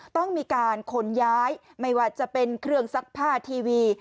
ต้องมีการขนย้ายไม่ว่าจะเป็นเครื่องซักผ้าทีวี